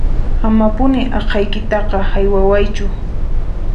Amapuni aqhaykitaqa haywawaychu